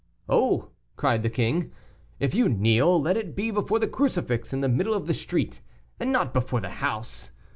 "Oh!" cried the king, "if you kneel, let it be before the crucifix in the middle of the street, and not before the house.